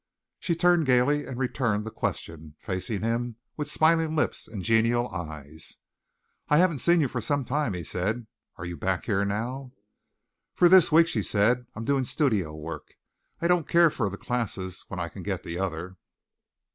She turned gaily, and returned the question, facing him with smiling lips and genial eyes. "I haven't seen you for some time," he said. "Are you back here now?" "For this week," she said. "I'm doing studio work. I don't care for classes when I can get the other."